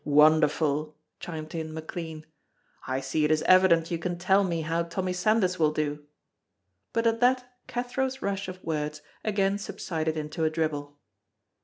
"Wonderful!" chimed in McLean. "I see it is evident you can tell me how Tommy Sandys will do," but at that Cathro's rush of words again subsided into a dribble.